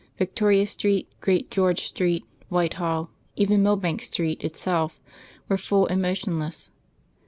Victoria Street, Great George Street, Whitehall even Millbank Street itself were full and motionless.